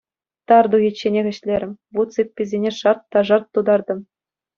Тар тухичченех ӗҫлерӗм, вут сыпписене шарт та шарт тутартӑм.